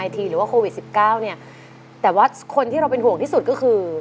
แต่ว่าคนที่เราเป็นห่วงที่สุดก็คือ